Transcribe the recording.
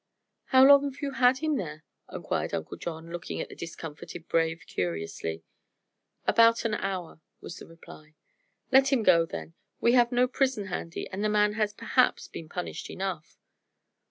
"How long have you had him there?" inquired Uncle John, looking at the discomfited "brave" curiously. "About an hour," was the reply. "Let him go, then. We have no prison handy, and the man has perhaps been punished enough."